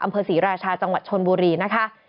อำเภอศรีราชาจังหวัดชนบุรีนะคะ